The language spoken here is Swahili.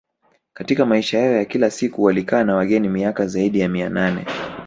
Katika maisha yao ya kila siku walikaa na wageni miaka zaidi ya mia nane